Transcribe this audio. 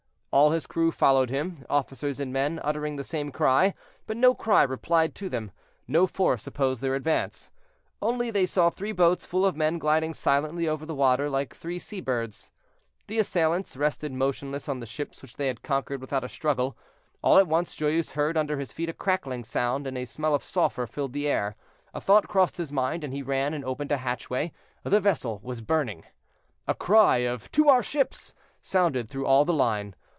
All his crew followed him, officers and men, uttering the same cry; but no cry replied to them, no force opposed their advance. Only they saw three boats full of men gliding silently over the water, like three sea birds. The assailants rested motionless on the ships which they had conquered without a struggle. All at once Joyeuse heard under his feet a crackling sound, and a smell of sulphur filled the air. A thought crossed his mind, and he ran and opened a hatchway; the vessel was burning. A cry of, "To our ships!" sounded through all the line.